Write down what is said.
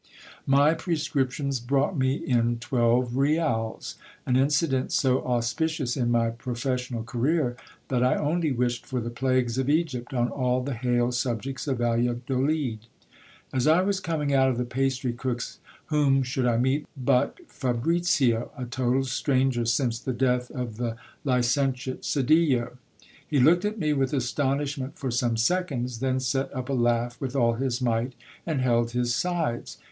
My prescriptions brought me in twelve rials ; an incident so auspicious in my professional career, that I only wished for the plagues of Egypt on all the hale subjects of Valladolid. As I was coming out of the pastry cook's whom should I meet but Fabricio, a total stranger since the death of the licentiate Sedillo ! He looked at me with astonishment for some seconds ; then set up a laugh with all his might, and held his sides.